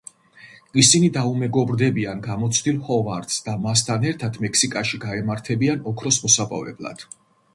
ისინი დაუმეგობრდებიან გამოცდილ ჰოვარდს და მასთან ერთად მექსიკაში გაემართებიან ოქროს მოსაპოვებლად.